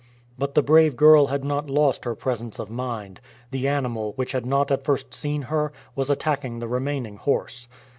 But the brave girl had not lost her presence of mind. The animal, which had not at first seen her, was attacking the remaining horse.